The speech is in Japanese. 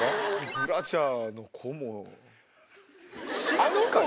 ブラジャーの子も。